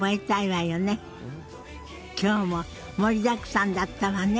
今日も盛りだくさんだったわね。